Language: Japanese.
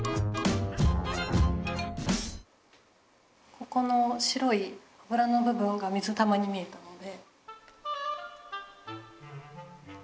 ここの白いあぶらの部分が水玉に見えたので。